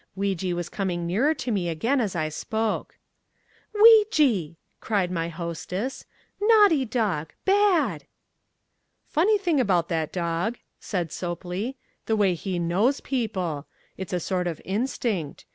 Weejee was coming nearer to me again as I spoke. "WEEJEE!!" cried my hostess, "naughty dog, bad!" "Funny thing about that dog," said Sopley, "the way he KNOWS people. It's a sort of instinct.